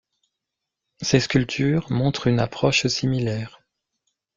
Ses sculptures montrent une approche similaire.